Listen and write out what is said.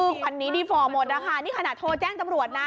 คือคันนี้ดีฟอร์หมดนะคะนี่ขนาดโทรแจ้งตำรวจนะ